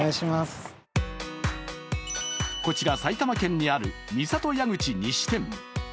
こちら埼玉県にある三郷谷口西店。